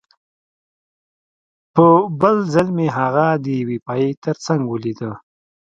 په بل ځل مې هغه د یوې پایې ترڅنګ ولیده